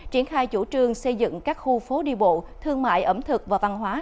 triển khai chủ trương xây dựng các khu phố đi bộ thương mại ẩm thực và văn hóa